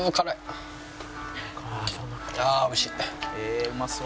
「えうまそう」